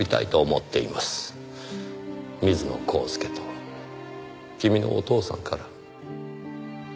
水野浩介と君のお父さんから。